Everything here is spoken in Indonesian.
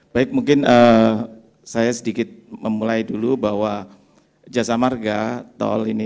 baik mungkin saya sedikit memulai dulu bahwa jasa marga tol ini